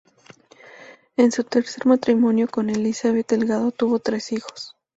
En su tercer matrimonio con Elizabeth Delgado tuvo tres hijos.